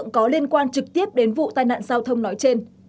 có liên quan trực tiếp đến vụ tai nạn giao thông nói trên